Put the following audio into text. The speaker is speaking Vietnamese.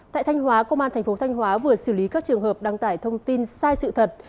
tại thanh hóa công an thành phố thanh hóa vừa xử lý các trường hợp đăng tải thông tin sai sự thật